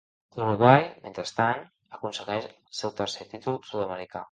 L'Uruguai, mentrestant, aconsegueix el seu tercer títol sud-americà.